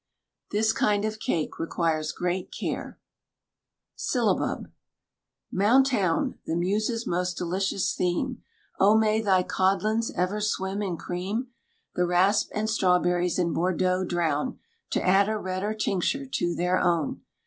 This kind of cake requires great care. SYLLABUB. Mountown! the Muses' most delicious theme, O, may thy codlins ever swim in cream! The rasp and strawberries in Bordeaux drown, To add a redder tincture to their own!